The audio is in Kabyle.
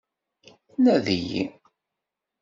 Nadi-yi.